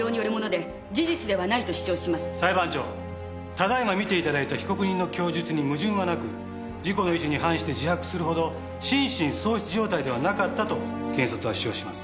ただ今見ていただいた被告人の供述に矛盾はなく自己の意思に反して自白するほど心神喪失状態ではなかったと検察は主張します。